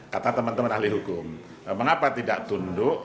kata teman teman ahli hukum mengapa tidak tunduk